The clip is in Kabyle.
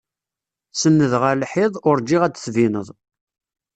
Senndeɣ ar lḥiḍ, urǧiɣ ad d-tbineḍ.